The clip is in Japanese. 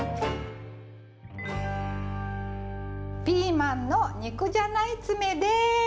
ピーマンの肉じゃない詰めです！